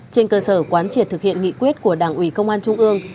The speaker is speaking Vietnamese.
trên cơ sở quán triệt thực hiện nghị quyết của đảng ủy công an trung ương